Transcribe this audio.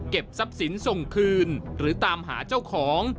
ทรัพย์สินส่งคืนหรือตามหาเจ้าของ